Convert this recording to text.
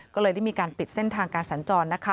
ก็เลยได้มีการปิดเส้นทางการสัญจรนะคะ